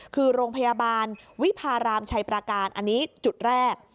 คือโรงพยาบาลวิพารามชัยประการอันนี้จุดแรก